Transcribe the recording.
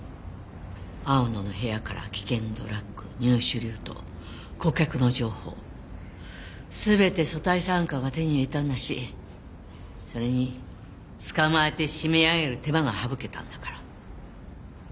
青野の部屋から危険ドラッグ入手ルート顧客の情報全て組対三課が手に入れたんだしそれに捕まえて締め上げる手間が省けたんだから。